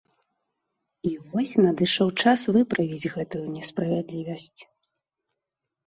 І вось, надышоў час выправіць гэтую несправядлівасць.